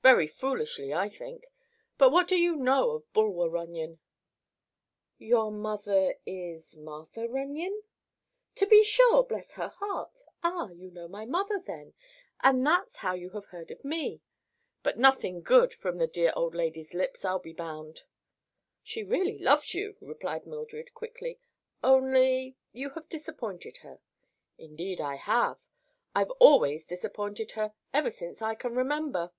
Very foolishly, I think. But what do you know of Bulwer Runyon?" "Your mother—is—Martha Runyon?" "To be sure—bless her heart! Ah, you know my mother, then, and that's how you have heard of me. But nothing good, from the dear old lady's lips, I'll be bound." "She really loves you," replied Mildred quickly; "only—you have disappointed her." "Indeed I have. I've always disappointed her, ever since I can remember."